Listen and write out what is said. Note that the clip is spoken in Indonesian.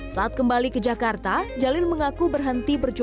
saat kembali ke jakarta jalil mengaku berhenti berkumpul